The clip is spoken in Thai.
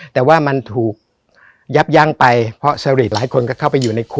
แต่ว่ามันถูกยับยั้งไปเพราะสรีหลายคนก็เข้าไปอยู่ในคุก